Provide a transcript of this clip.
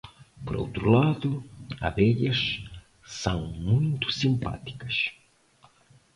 Por outro lado, abelhas são muito simpáticas.